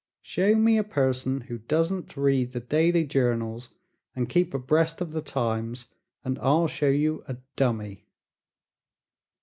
Show me a person who doesn't read the daily journals and keep abreast of the times and I'll show you a dummy."